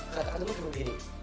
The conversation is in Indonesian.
katakanlah kayak gini